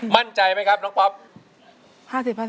มั่นใจไหมครับน้องป๊อป